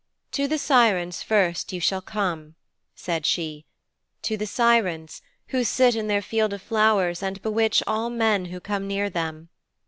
'"To the Sirens first you shall come," said she, "to the Sirens, who sit in their field of flowers and bewitch all men who come near them.